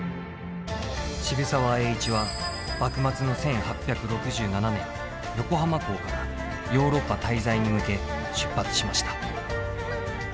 渋沢栄一は幕末の１８６７年横浜港からヨーロッパ滞在に向け出発しました。